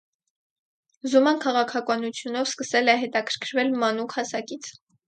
Զուման քաղաքանությունով սկսել է հետաքրքրվել մանուկ հասակից։